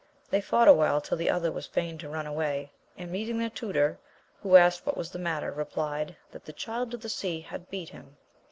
They fought awhile till the other was fain to run away, and meeting their tutor, who asked what was the matter, rephed, that the Child of the Sea had beat him.